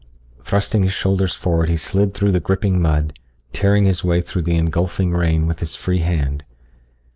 Thrusting his shoulders forward he slid through the gripping mud, tearing his way through the engulfing rain with his free hand.